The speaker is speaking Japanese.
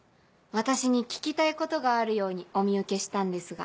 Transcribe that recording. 私に聞きたいことがあるようにお見受けしたんですが。